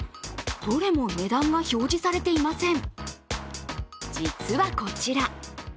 どれも値段が表示されていません。